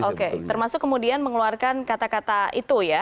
oke termasuk kemudian mengeluarkan kata kata itu ya